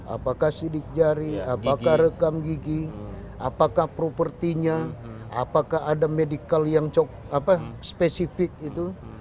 apakah sidik jari apakah rekam gigi apakah propertinya apakah ada medical yang spesifik itu